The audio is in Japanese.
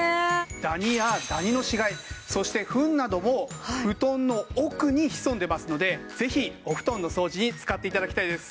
ダニやダニの死骸そしてフンなども布団の奥に潜んでますのでぜひお布団の掃除に使って頂きたいです。